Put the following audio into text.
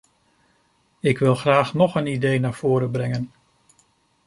Ik wil graag nog een idee naar voren brengen.